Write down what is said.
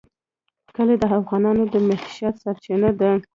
کلي د افغانانو د معیشت سرچینه ده.